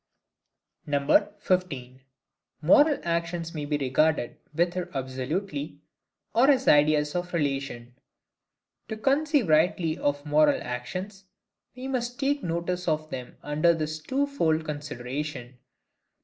15. Moral actions may be regarded either absolutely, or as ideas of relation. To conceive rightly of moral actions, we must take notice of them under this two fold consideration.